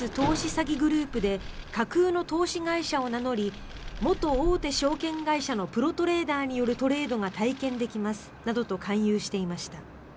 詐欺グループで架空の投資会社を名乗り元大手証券会社のプロトレーダーによるトレードが体験できますなどと勧誘していました。